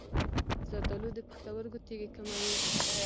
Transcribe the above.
زردآلو د پښتورګو تیږې کموي.